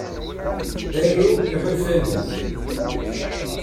Aru iḥulfan-ik.